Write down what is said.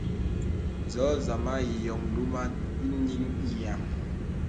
Zō zàmā ìyōŋ duma īŋìŋ yàm.